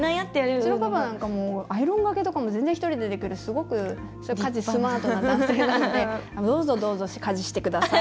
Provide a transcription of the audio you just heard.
うちのパパなんかもアイロンがけとかも全然１人でできるすごく家事スマートな男性なのでどうぞどうぞ家事してください。